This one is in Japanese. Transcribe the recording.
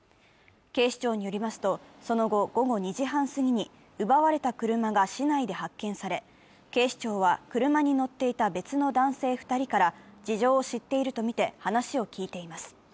警視庁によりますと、その後、午後２時半すぎに奪われた車が市内で発見され、警視庁は車に乗ってた別の男性２人から事情を知っているとみて話を聞いています。